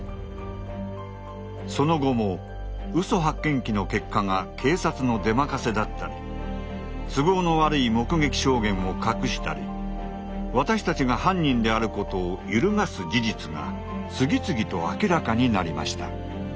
その後も嘘発見器の結果が警察の出任せだったり都合の悪い目撃証言を隠したり私たちが犯人であることを揺るがす事実が次々と明らかになりました。